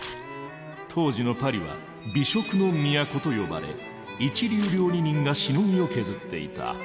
当時のパリは「美食の都」と呼ばれ一流料理人がしのぎを削っていた。